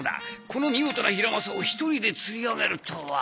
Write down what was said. この見事なヒラマサを一人で釣り上げるとは。